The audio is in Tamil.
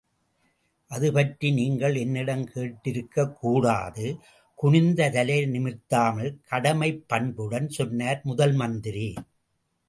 அது பற்றி நீங்கள் என்னிடம் கேட்டிருக்கக் கூடாது!... குனிந்த தலையை நிமிர்த்தாமல் கடமைப் பண்புடன் சொன்னார் முதல்மந்திரி.